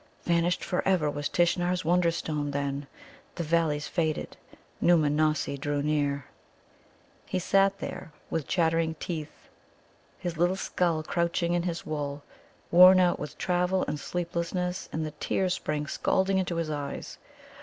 Vanished for ever was Tishnar's Wonderstone, then. The Valleys faded, Nōōmanossi drew near. He sat there with chattering teeth, his little skull crouching in his wool, worn out with travel and sleeplessness, and the tears sprang scalding into his eyes.